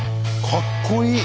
かっこいい！